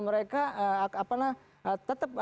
mereka apa nah tetap